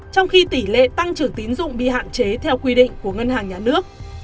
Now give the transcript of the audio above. trong khi tỷ lệ tăng trưởng tín dụng bị hạn chế theo quy định của ngân hàng nhà nước